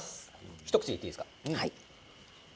一口でいっていいですか？